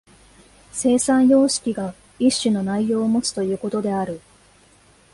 生産様式が一種の内容をもつということである。